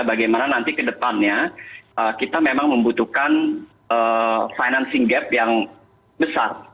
bagaimana nanti kedepannya kita memang membutuhkan financing gap yang besar